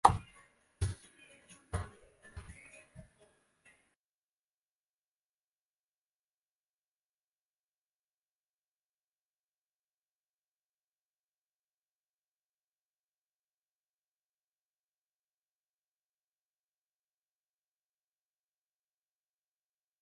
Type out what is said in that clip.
内容不时嘲笑精致艺术和章鱼哥的劳工权益想法。